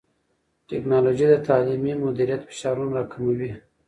ټیکنالوژي د تعلیمي مدیریت فشارونه راکموي.